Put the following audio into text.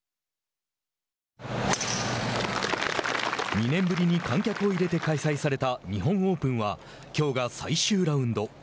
２年ぶりに観客を入れて開催された日本オープンはきょうが最終ラウンド。